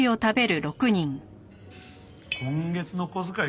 今月の小遣い